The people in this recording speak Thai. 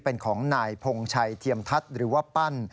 เป็นของนายพงชัยเทียมทัศน์หรือว่าปั้น